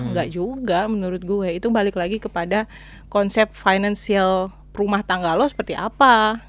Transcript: nggak juga menurut gue itu balik lagi kepada konsep financial rumah tangga lo seperti apa